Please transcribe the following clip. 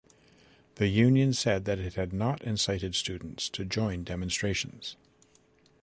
The union said that it had not incited students to join demonstrations.